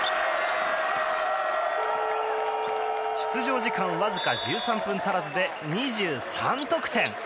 出場時間わずか１３分足らずで２３得点！